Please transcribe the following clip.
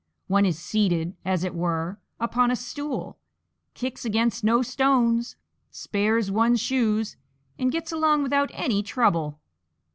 one is seated, as it were, upon a stool, kicks against no stones, spares one's shoes, and gets along without any trouble!"